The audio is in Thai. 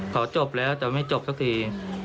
จบแล้วแต่ไม่จบสักที